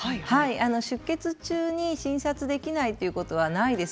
出血中に診察できないということはないです。